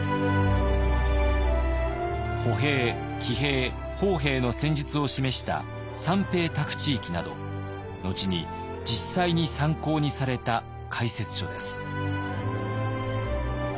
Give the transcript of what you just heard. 歩兵騎兵砲兵の戦術を示した「三兵答古知幾」など後に実際に参考にされた解説書です。